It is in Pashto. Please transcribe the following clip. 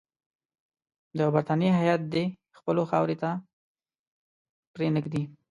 د برټانیې هیات دي خپلو خاورې ته پرې نه ږدي.